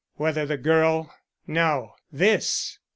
"Whether the girl " "No; this!